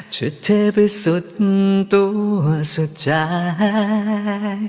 จะเทไปสุดตัวสุดใจ